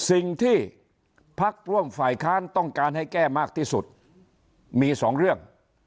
สิ่งที่พักร่วมฝ่ายค้านต้องการให้แก้มากที่สุดมีสองเรื่อง